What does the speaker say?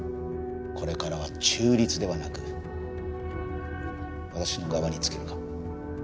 これからは中立ではなく私の側につけるか？